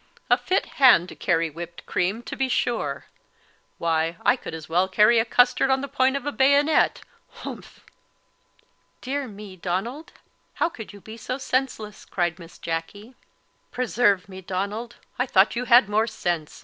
A fit hand to carry whipt cream, to be sure! Why, I could as well carry a custard on the point of a bayonet humph!" "Dear me, Donald, how could you be so senseless?" cried Miss Jacky. "Preserve me, Donald, I thought you had more sense!"